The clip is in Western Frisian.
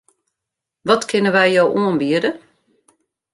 Wat kinne wy jo oanbiede?